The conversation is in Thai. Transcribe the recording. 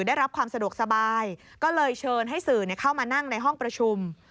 ได้รับความสะดวกสบายก็เลยเชิญให้สื่อเข้ามานั่งในห้องประชุม